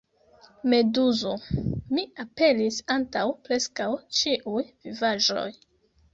Meduzo: "Mi aperis antaŭ preskaŭ ĉiuj vivaĵoj!"